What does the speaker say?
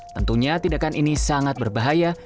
tentunya tindakan ini sangat berbahaya